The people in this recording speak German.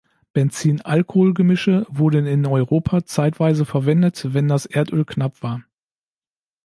Benzin-Alkohol-Gemische wurden in Europa zeitweise verwendet, wenn das Erdöl knapp war.